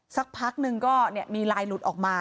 สักพักนึงก็มีลายหลุดออกมา